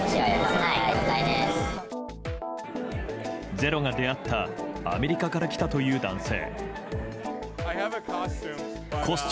「ｚｅｒｏ」が出会ったアメリカから来たという男性。